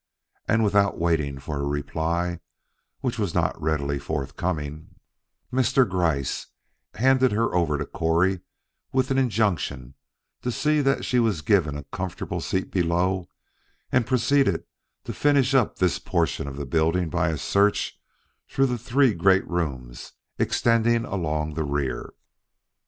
And without waiting for a reply, which was not readily forthcoming, Mr. Gryce handed her over to Correy with an injunction to see that she was given a comfortable seat below and proceeded to finish up this portion of the building by a search through the three great rooms extending along the rear.